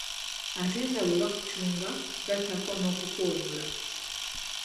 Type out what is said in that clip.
Ate nga bwe bakucunga gattako n'okukuwemula.